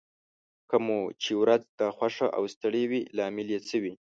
کله مو چې ورځ ناخوښه او ستړې وي لامل يې څه وي؟